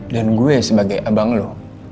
dan gue sebagai abang lo